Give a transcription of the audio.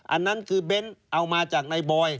อันนั้นคือเบนท์เอามาจากนายบอย